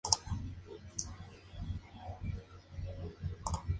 La película fue tomada del libro homónimo de Marcello De Orta.